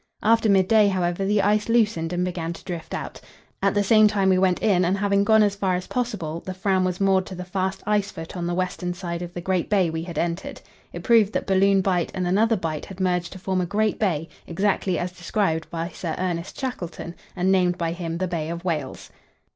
After midday, however, the ice loosened, and began to drift out; at the same time we went in, and having gone as far as possible, the Fram was moored to the fast ice foot on the western side of the great bay we had entered. It proved that Balloon Bight and another bight had merged to form a great bay, exactly as described by Sir Ernest Shackleton, and named by him the Bay of Whales.